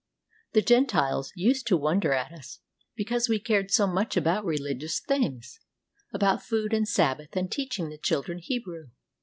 ] The Gentiles used to wonder at us because we cared so much about religious things — about food and Sabbath and teaching the children Hebrew.